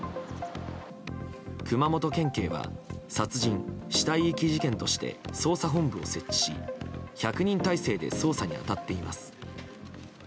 熊本県警は殺人・死体遺棄事件として捜査本部を設置し１００人態勢で捜査に当たっています。